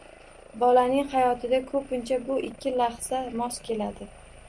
Bolaning hayotida ko‘pincha bu ikki lahza mos keladi.